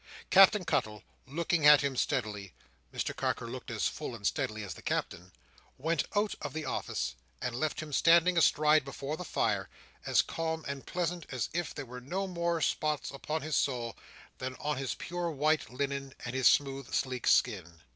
Captain Cuttle, looking at him steadily (Mr Carker looked full as steadily at the Captain), went out of the office and left him standing astride before the fire, as calm and pleasant as if there were no more spots upon his soul than on his pure white linen, and his smooth sleek skin.